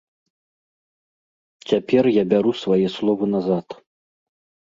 Цяпер я бяру свае словы назад.